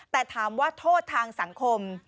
แต่ถามว่าโทษทางสังคม